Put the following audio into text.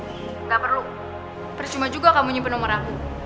gak perlu percuma juga kamu nyempen nomor aku